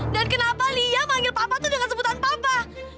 dan kenapa lia manggil papa tuh dengan sebutan papa